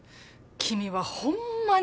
君はホンマに。